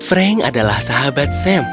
frank adalah sahabat sam